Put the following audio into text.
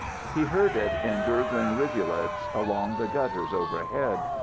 He heard it in gurgling rivulets along the gutters overhead.